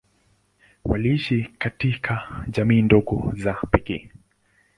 Waliishi katika jamii ndogo za pekee.